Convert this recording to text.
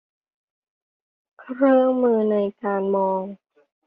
เครื่องมือในการมอง